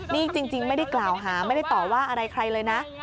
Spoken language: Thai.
นี่จริงไม่ได้กล่าวหาไม่ได้ต่อว่าอะไรใครเลยนะ